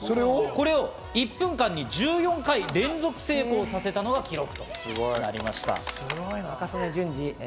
これを１分間に１４回連続成功させたのが記録。